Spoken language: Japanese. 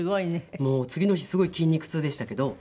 もう次の日すごい筋肉痛でしたけど。